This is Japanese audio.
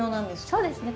そうですね。